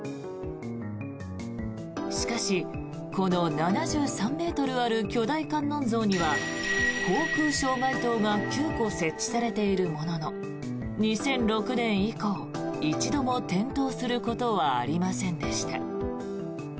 しかし、この７３ｍある巨大観音像には航空障害灯が９個設置されているものの２００６年以降一度も点灯することはありませんでした。